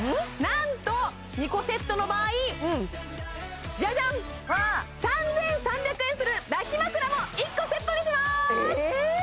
なんと２個セットの場合ジャジャン３３００円する抱き枕も１個セットにしますえ？